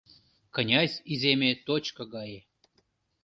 Князь иземе точко гае